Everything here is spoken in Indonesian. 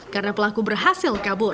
karena pelaku berhasil kabur